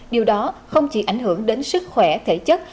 điều đó không chỉ ảnh hưởng đến sức khỏe thể chất